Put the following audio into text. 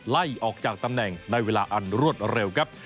ไล่ออกจากตำแหน่งในเวลาอันรวดเร็วครับ